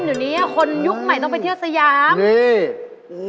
เดี๋ยวนี้คนยุคใหม่ต้องไปเที่ยวสยามนี่